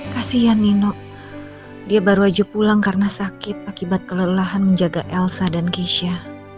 kasian nino dia baru aja pulang karena sakit akibat kelelahan menjaga elsa dan keisha